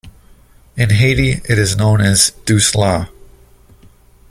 In Haiti, it is known as "douce lait".